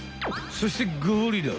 そしてゴリラ。